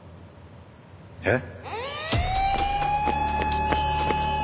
えっ！？